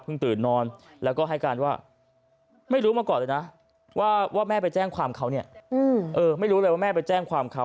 ตื่นนอนแล้วก็ให้การว่าไม่รู้มาก่อนเลยนะว่าแม่ไปแจ้งความเขาเนี่ยไม่รู้เลยว่าแม่ไปแจ้งความเขา